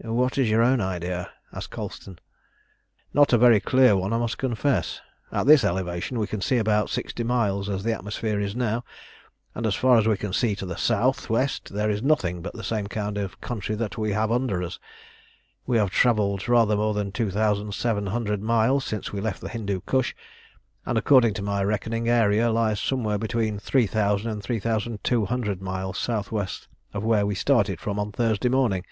"What is your own idea?" asked Colston. "Not a very clear one, I must confess. At this elevation we can see about sixty miles as the atmosphere is now, and as far as we can see to the south west there is nothing but the same kind of country that we have under us. We have travelled rather more than 2700 miles since we left the Hindu Kush, and according to my reckoning Aeria lies somewhere between 3000 and 3200 miles south west of where we started from on Thursday morning.